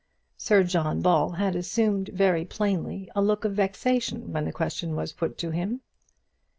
Sir John Ball had assumed very plainly a look of vexation when the question was put to him.